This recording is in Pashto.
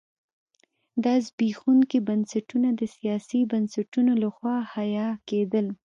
دا زبېښونکي بنسټونه د سیاسي بنسټونو لخوا حیه کېدل.